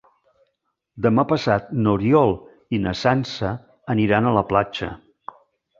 Demà passat n'Oriol i na Sança aniran a la platja.